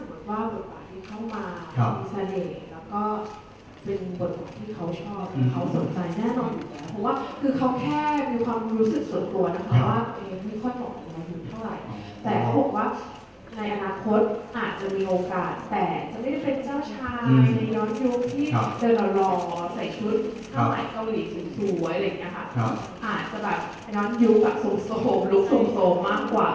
อ่านก็จะจากอยู่แบบสูงโทมรุกสูงโทมมากกว่า